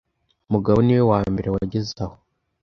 Mugabo niwe wambere wageze aho